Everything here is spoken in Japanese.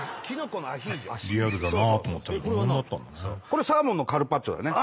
これサーモンのカルパッチョだね。